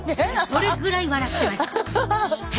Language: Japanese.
それぐらい笑ってます。